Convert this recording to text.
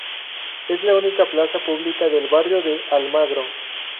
Es la única plaza pública del barrio de Almagro.